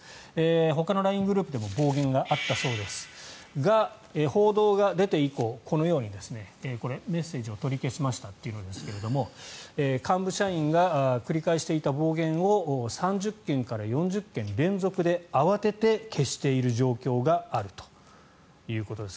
ほかのＬＩＮＥグループでも暴言があったそうですが報道が出て以降このようにこれはメッセージを取り消しましたというのですが幹部社員が繰り返していた暴言を３０件から４０件連続で慌てて消している状況があるということです。